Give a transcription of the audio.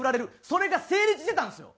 それが成立してたんですよ。